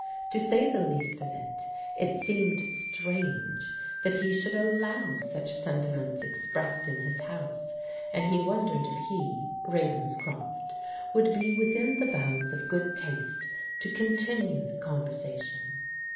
To say the least of it, it seemed strange that he should allow such sentiments ex pressed in his house, and he wondered if he (Ravens croft) would be within the bounds of good taste to con tinue the conversation.